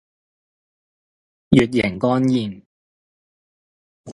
乙型肝炎